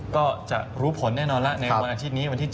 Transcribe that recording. ก็จะรู้ผลแน่นอนแล้วในวันอาทิตย์นี้วันที่๗